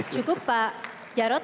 cukup pak jarod